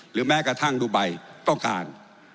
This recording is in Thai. หรือแม้กระทั่งดุบัยต้องการ